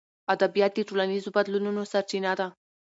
ادبیات د ټولنیزو بدلونونو سرچینه ده.